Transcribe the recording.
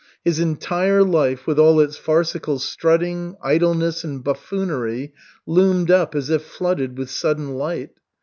His entire life with all its farcical strutting, idleness, and buffoonery loomed up as if flooded with sudden light.